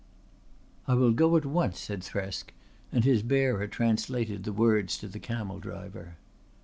"I will go at once," said Thresk and his bearer translated the words to the camel driver.